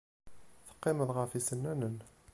Teqqimeḍ ɣef yisennanen.